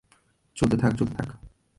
চলতে থাক, চলতে থাক।